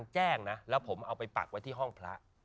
แจ้งนะแล้วผมเอาไปปักไว้ที่ห้องพระ